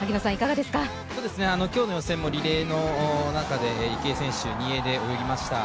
今日の予選もリレーの中で池江選手、２泳で泳ぎました。